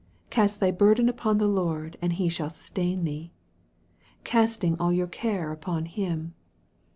" Cast thy burden upon the Lord, and he shall sustain thee." " Cast ing all your care upon Him."